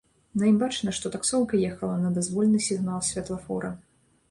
На ім бачна, што таксоўка ехала на дазвольны сігнал святлафора.